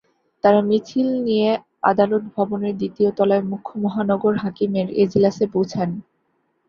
তাঁরা মিছিল নিয়ে আদালত ভবনের দ্বিতীয় তলায় মুখ্য মহানগর হাকিমের এজলাসে পৌঁছান।